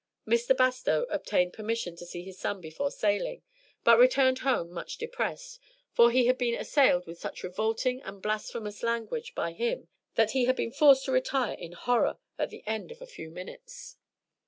Mr. Bastow obtained permission to see his son before sailing, but returned home much depressed, for he had been assailed with such revolting and blasphemous language by him that he had been forced to retire in horror at the end of a few minutes.